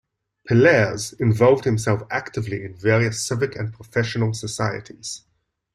Pelaez involved himself actively in various civic and professional societies.